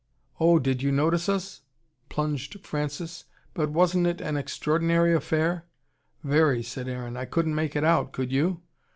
"Oh, did you notice us?" plunged Francis. "But wasn't it an extraordinary affair?" "Very," said Aaron. "I couldn't make it out, could you?"